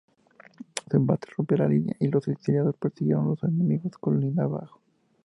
Su embate rompió la línea, y los exiliados persiguieron a los enemigos colina abajo.